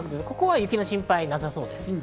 ここは雪の心配はなさそうです。